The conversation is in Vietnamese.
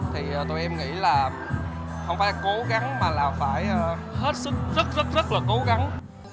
thì tụi em nghĩ là không phải cố gắng mà là phải hết sức rất rất là cố gắng